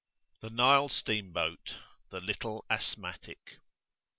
THE NILE STEAMBOAT THE "LITTLE ASTHMATIC."